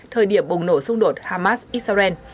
thời điểm bùng nổ xung đột hamas israel